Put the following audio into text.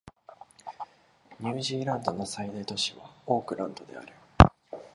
ニュージーランドの最大都市はオークランドである